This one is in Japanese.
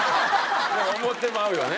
思ってまうよね。